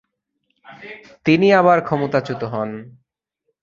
তিনি আবার ক্ষমতাচ্যুত হন।